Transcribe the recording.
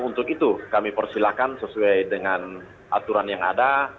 untuk itu kami persilahkan sesuai dengan aturan yang ada